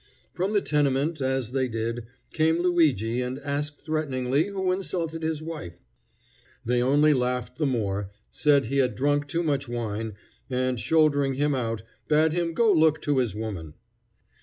From the tenement, as they did, came Luigi and asked threateningly who insulted his wife. They only laughed the more, said he had drunk too much wine, and, shouldering him out, bade him go look to his woman.